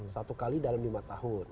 satu kali dalam lima tahun